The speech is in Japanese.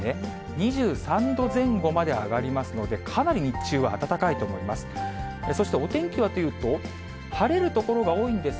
２３度前後まで上がりますので、かなり日中は暖かいと思います。